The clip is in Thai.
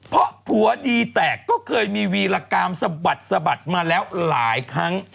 เพราะผัวดีแตกก็เคยมีวีรกรรมสะบัดสะบัดมาแล้วหลายครั้ง